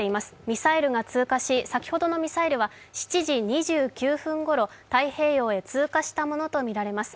ミサイルが通過し、先ほどのミサイルは７時２９分ごろ、太平洋へ通過したものとみられます。